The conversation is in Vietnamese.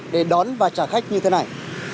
để đón và trả khách như thế này